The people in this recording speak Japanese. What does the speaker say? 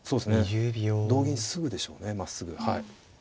同銀直でしょうねまっすぐ。